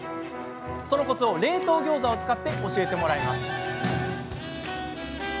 そのコツを冷凍ギョーザを使って教えてもらいます。